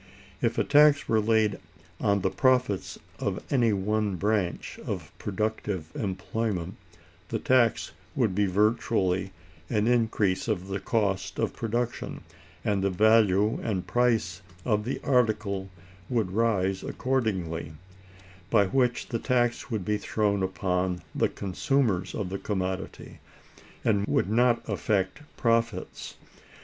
If a tax were laid on the profits of any one branch of productive employment, the tax would be virtually an increase of the cost of production, and the value and price of the article would rise accordingly; by which the tax would be thrown upon the consumers of the commodity, and would not affect profits.